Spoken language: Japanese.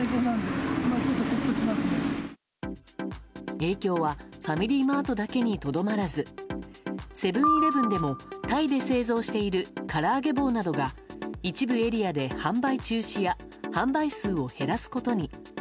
影響はファミリーマートだけにとどまらずセブン‐イレブンでもタイで製造しているからあげ棒などが一部エリアで販売中止や販売数を減らすことに。